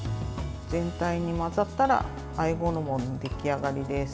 全体に混ざったらあえ衣の出来上がりです。